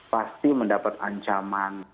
pasti mendapat ancaman